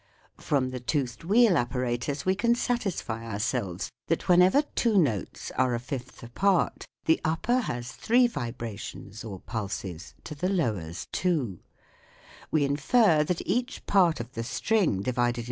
From the toothed wheel apparatus we can satisfy ourselves that whenever two notes are a fifth apart the upper has three vibrations or pulses to the lower's two ; we infer that each part of the string divided into three makes three FIG.